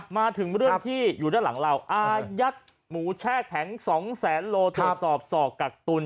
มาถึงเรื่องที่อยู่ด้านหลังเราอายัดหมูแช่แข็ง๒แสนโลตรวจสอบศอกกักตุล